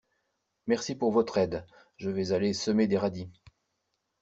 Merci pour votre aide, je vais aller semer des radis.